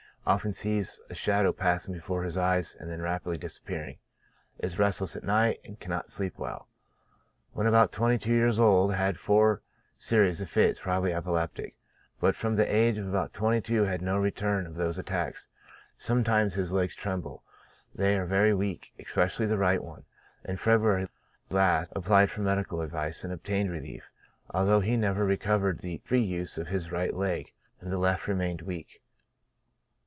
Often sees a shadow passing before his eyes, and then rapidly disappearing ; is restless at night, and cannot sleep well. When about twenty years old had four series of fits, probably epileptic ; but from the age of twenty two had no return of those attacks ; sometimes his legs tremble ; they are very weak, especially the right one. In February last applied for medical advice, and obtained relief, although he never recovered the free use of his right leg, and the left remained weak.